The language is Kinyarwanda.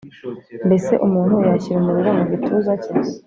Mbese umuntu yashyira umuriro mu gituza cye